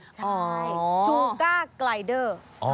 ใช่ชูก้าไกลเดอร์